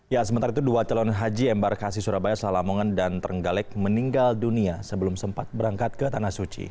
ya sementara itu dua calon haji embarkasi surabaya salamongan dan terenggalek meninggal dunia sebelum sempat berangkat ke tanah suci